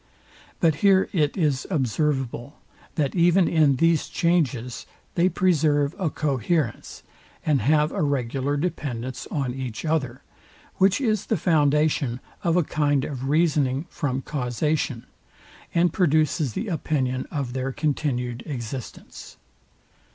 But here it is observable, that even in these changes they preserve a coherence, and have a regular dependence on each other; which is the foundation of a kind of reasoning from causation, and produces the opinion of their continued existence.